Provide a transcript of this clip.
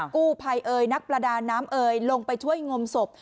กู้ภัยเอ่ยนักประดาน้ำเอยลงไปช่วยงมศพ